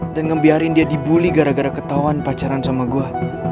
dan ngebiarin dia dibully gara gara ketauan pacaran sama gue